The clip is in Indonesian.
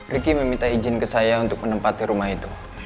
riki meminta izin ke saya untuk menempati rumah itu